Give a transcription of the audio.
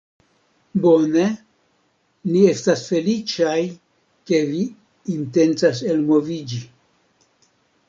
Bone. Ni estas feliĉaj, ke vi intencas elmoviĝi